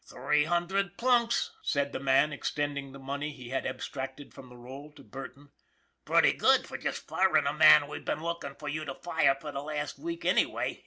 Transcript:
Three hundred plunks," said the man, extending the money he had abstracted from the roll to Burton. " Pretty good for just firm' a man we've been lookin' for you to fire for the last week, anyway.